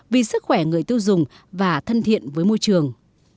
vì sức khỏe người tiêu dùng và thân thiện với môi trường